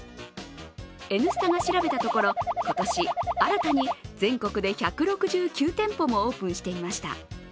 「Ｎスタ」が調べたところ、今年、新たに全国で１６９店舗もオープンしていました。